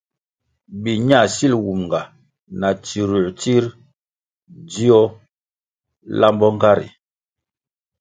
Biña sil wumga na tsirųer tsir dzio lambo nga ri.